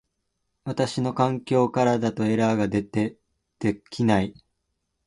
私の環境からだとエラーが出て出来ない